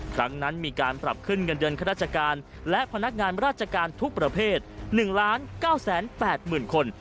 ครั้งนั้นมีการปรับขึ้นเงินเดือนข้าราชการและพนักงานราชการทุกประเภท๑๙๘๐๐๐คน